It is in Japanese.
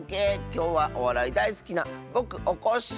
きょうはおわらいだいすきなぼくおこっしぃ